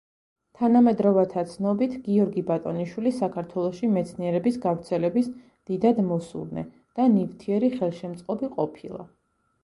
თანამედროვეთა ცნობით, გიორგი ბატონიშვილი საქართველოში მეცნიერების გავრცელების დიდად მოსურნე და ნივთიერი ხელშემწყობი ყოფილა.